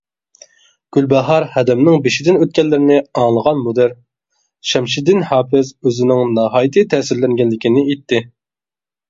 گۈلباھار ھەدەمنىڭ بېشىدىن ئۆتكەنلەرنى ئاڭلىغان مۇدىر شەمشىدىن ھاپىز ئۆزىنىڭ ناھايىتى تەسىرلەنگەنلىكىنى ئېيتتى.